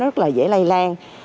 và rất là dễ lây lan